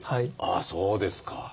ああそうですか。